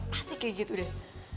pasti kayak gitu deh